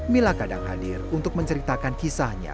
mila kadang hadir untuk menceritakan kisahnya